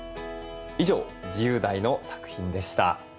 以上自由題の作品でした。